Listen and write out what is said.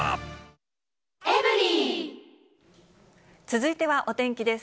続いてはお天気です。